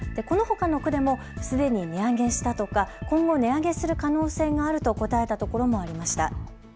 このほかの区でもすでに値上げしたとか今後、値上げする可能性があると答えたところもありました。